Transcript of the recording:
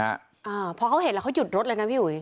อ่าเพราะเขาเห็นแล้วเขาหยุดรถเลยนะพี่หุยอ่า